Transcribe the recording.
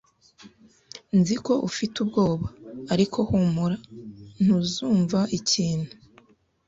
Nzi ko ufite ubwoba, ariko humura, ntuzumva ikintu.